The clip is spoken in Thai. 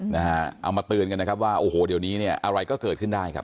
นะฮะเอามาเตือนกันนะครับว่าโอ้โหเดี๋ยวนี้เนี่ยอะไรก็เกิดขึ้นได้ครับ